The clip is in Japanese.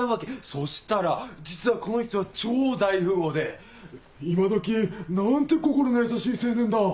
そしたら実はこの人は超大富豪で「今どき何て心の優しい青年だ。